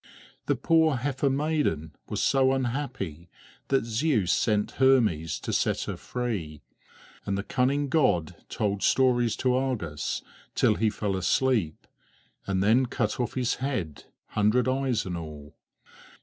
The poor heifer maiden was so unhappy that Zeus sent Hermes to set her free; and the cunning god told stories to Argus till he fell asleep, and then cut off his head, hundred eyes and all.